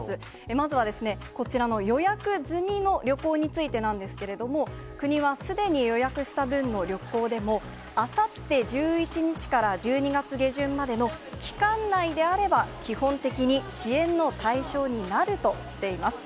まずはこちらの予約済みの旅行についてなんですけれども、国はすでに予約した分の旅行でも、あさって１１日から１２月下旬までの期間内であれば、基本的に支援の対象になるとしています。